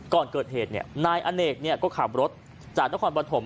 ก่อนเกิดเหตุเนี่ยนายอเนกเนี่ยก็ขับรถจากนครบรถม